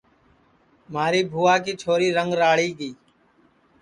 مھاری بھُوئا کی چھوری رنگ راݪی گی